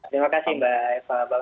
terima kasih mbak eva bang arya